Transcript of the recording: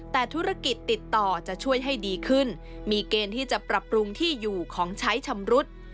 แต่ธุรกิจติดต่อจะช่วยให้ดีขึ้นมีเกณฑ์ที่จะปรับปรุงที่อยู่ของใช้ชำรุด